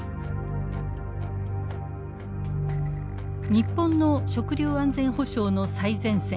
日本の食料安全保障の最前線。